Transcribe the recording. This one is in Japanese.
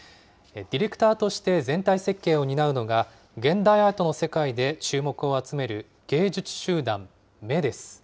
ディレクターとして全体設計を担うのが、現代アートの世界で注目を集める芸術集団、目［ｍｅ］です。